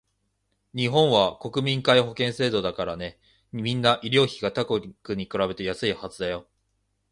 日本は国民皆保険制度だからね、みんな医療費が他国に比べて安いはずだよ